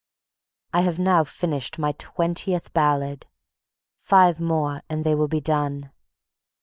I have now finished my twentieth ballad. Five more and they will be done.